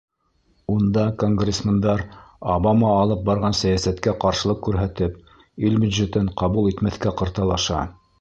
Унда конгресмендар Обама алып барған сәйәсәткә ҡаршылыҡ күрһәтеп, ил бюджетын ҡабул итмәҫкә ҡырталаша.